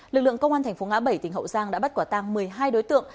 lực lượng công an tp ngã bảy tỉnh hậu giang đã bắt quả tăng một mươi hai đối tượng